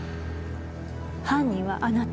犯人はあなた。